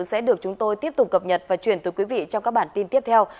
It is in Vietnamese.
sẽ được chúng tôi tiếp tục cập nhật và chuyển tới quý vị trong các bản tin tiếp theo